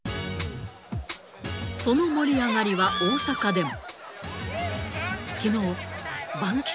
その盛り上がりは大阪でも。